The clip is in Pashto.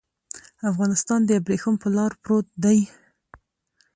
افغانستان د ابريښم پر لار پروت دی.